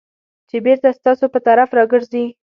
چې بېرته ستاسو په طرف راګرځي .